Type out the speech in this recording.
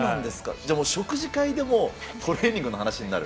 じゃあもう、食事会でも、トレーニングの話になる？